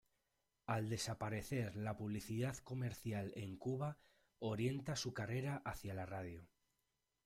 Al desaparecer la publicidad comercial en Cuba, orienta su carrera hacia la radio.